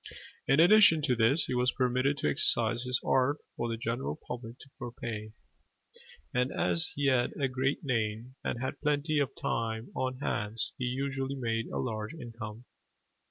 In addition to this he was permitted to exercise his art for the general public for pay: and as he had a great name, and had plenty of time on hands, he usually made a large income.